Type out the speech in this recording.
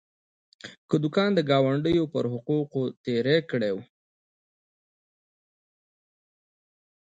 کادوګان د ګاونډیو پر حقونو تېری کړی و.